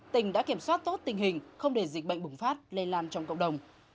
tỉnh đã kiểm soát tốt tình hình không để dịch bệnh bùng phát lây lan trong cộng đồng